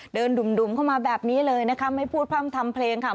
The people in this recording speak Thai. ดุ่มเข้ามาแบบนี้เลยนะคะไม่พูดพร่ำทำเพลงค่ะ